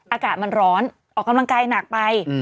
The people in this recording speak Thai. อากาศมันร้อนออกกำลังกายหนักไป